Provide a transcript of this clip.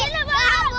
itu itu punca bola